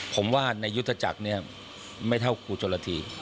ผมว่าในยุธจักรไม่เท่าครูจวลธี